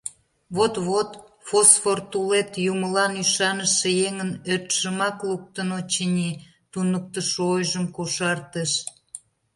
— Вот-вот, фосфор тулет юмылан ӱшаныше еҥын ӧртшымак луктын, очыни, — туныктышо ойжым кошартыш.